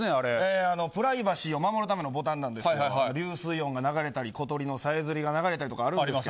プライバシーを守るためのボタンなんですけど流水音が流れたり小鳥のさえずりが流れたりあるんですが。